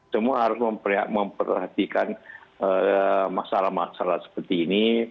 semua harus memperhatikan masalah masalah seperti ini